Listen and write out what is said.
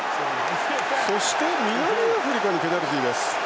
そして、南アフリカにペナルティーです。